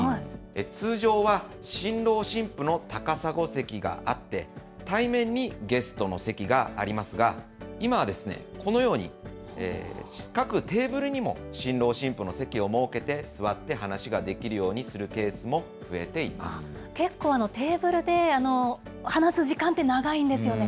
通常は新郎新婦の高砂席があって、対面にゲストの席がありますが、今はこのように、各テーブルにも新郎新婦の席を設けて、座って話ができるようにす結構、テーブルで話す時間って長いんですよね、